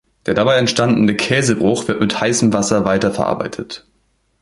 Der dabei entstehende Käsebruch wird mit heißem Wasser weiterverarbeitet.